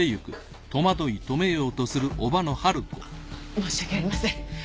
申し訳ありません。